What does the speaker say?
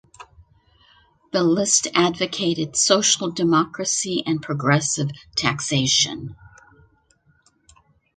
The list advocated social democracy and progressive taxation.